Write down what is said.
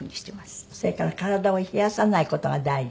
それから体を冷やさない事が大事。